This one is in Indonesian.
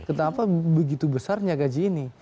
kenapa begitu besarnya gaji ini